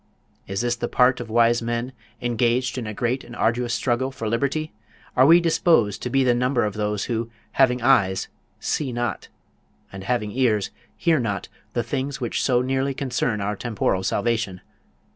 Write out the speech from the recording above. Is this the part of wise men, engaged in a great and arduous struggle for liberty? Are we disposed to be of the number of those who, having eyes, see not, and having ears, hear not, the things which so nearly concern our temporal salvation?